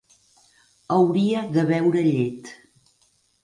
Hauria de beure llet.